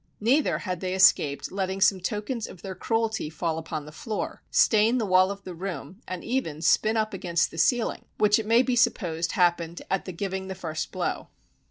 Neither had they escaped letting some tokens of their cruelty fall upon the floor, stain the wall of the room, and even spin up against the ceiling, which it may be supposed happened at the giving the first blow.